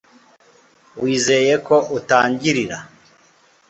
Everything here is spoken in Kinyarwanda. wizeye ko utangirira